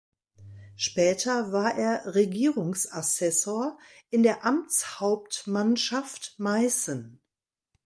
Später war er Regierungsassessor in der Amtshauptmannschaft Meißen.